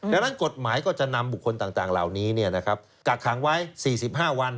ดังนั้นกฎหมายก็จะนำบุคคลต่างเหล่านี้กักขังไว้๔๕วัน